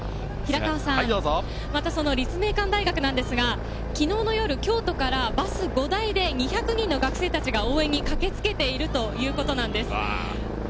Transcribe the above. またその立命館大学ですが、きのうの夜、京都からバス５台で２００人の学生たちが応援に駆けつけているということなんです。